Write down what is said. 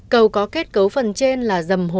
cầu có kết cấu phần trên là dầm hồ